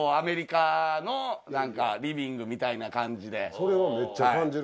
それはめっちゃ感じる。